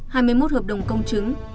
hai mươi một hợp đồng công chứng